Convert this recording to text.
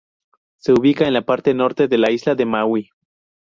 Se ubica en la parte norte de la isla de Maui.